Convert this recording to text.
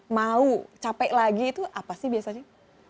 mau capek lagi itu apa sih biasanya